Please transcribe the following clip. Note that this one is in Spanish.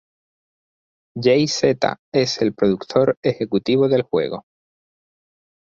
Jay-Z es el productor ejecutivo del juego.